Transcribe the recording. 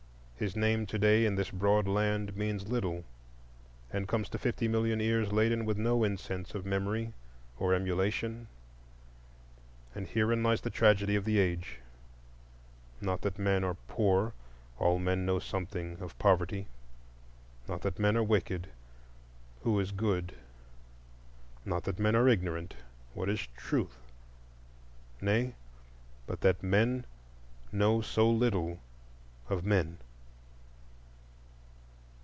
His name to day, in this broad land, means little, and comes to fifty million ears laden with no incense of memory or emulation. And herein lies the tragedy of the age: not that men are poor,—all men know something of poverty; not that men are wicked,—who is good? not that men are ignorant,—what is Truth? Nay, but that men know so little of men.